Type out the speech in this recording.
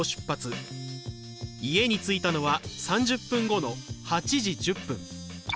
家に着いたのは３０分後の８時１０分。